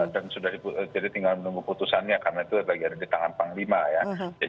dan sudah jadi tinggal menunggu putusannya karena itu lagi ada di tangan panglima ya